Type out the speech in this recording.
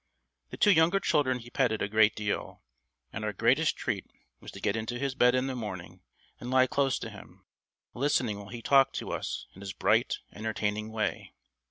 The two younger children he petted a great deal, and our greatest treat was to get into his bed in the morning and lie close to him, listening while he talked to us in his bright, entertaining way.